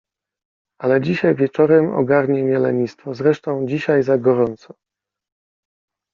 Ale dzisiaj wieczorem ogarnie mnie lenistwo… zresztą dzisiaj za gorąco!